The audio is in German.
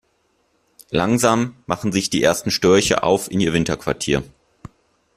Langsam machen sich die ersten Störche auf in ihr Winterquartier.